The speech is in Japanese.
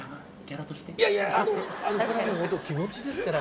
いやいやあのこれほんと気持ちですから。